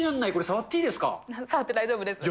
触って大丈夫です。